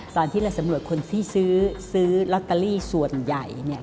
ตอนที่เราสำรวจคนที่ซื้อลอตเตอรี่ส่วนใหญ่